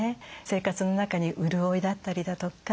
生活の中に潤いだったりだとか